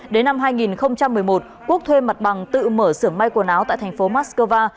đến năm hai nghìn một mươi một quốc thuê mặt bằng tự mở xưởng mai quần áo tại thành phố moskova